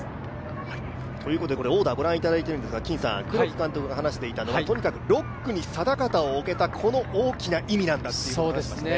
オーダーをご覧いただいているのですが、黒木監督が話していた、６区に定方を置けたこの大きな意味なんだと話してますね。